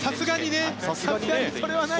さすがにそれはない。